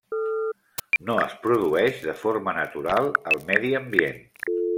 No es produeix de forma natural al medi ambient.